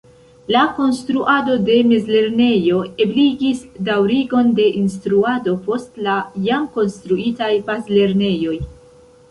La konstruado de mezlernejo ebligis daŭrigon de instruado post la jam konstruitaj bazlernejoj.